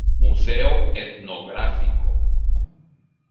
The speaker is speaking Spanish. Museo etnográfico.